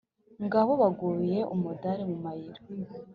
ngabo baguye umudari mu mayira;